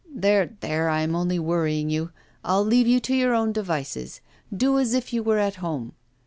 'There, there, I am only worrying you. I will leave you to your own devices. Do as if you were at home.